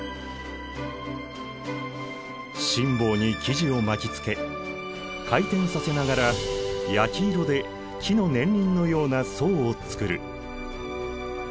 心棒に生地を巻きつけ回転させながら焼き色で木の年輪のような層を作る。